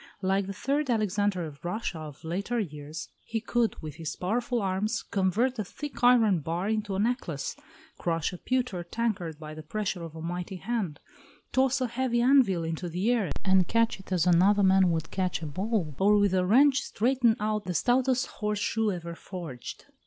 Like the third Alexander of Russia of later years, he could, with his powerful arms, convert a thick iron bar into a necklace, crush a pewter tankard by the pressure of a mighty hand, toss a heavy anvil into the air and catch it as another man would catch a ball, or with a wrench straighten out the stoutest horse shoe ever forged.